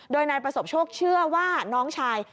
โดยนายประสบโชคเชื่อว่าน้องชาย